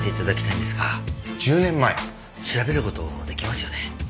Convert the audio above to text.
調べる事出来ますよね？